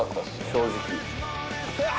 正直。